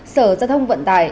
sở giao thông vận tải